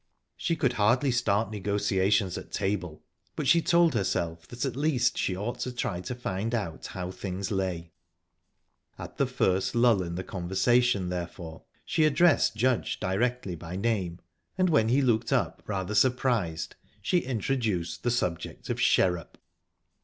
She could hardly start negotiations at table, but she told herself that at least she ought to try to find out how things lay. At the first lull in the conversation, therefore, she addressed Judge directly by name, and when he looked up, rather surprised, she introduced the subject of Sherrup.